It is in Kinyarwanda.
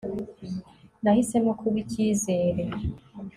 nahisemo kuba icyizere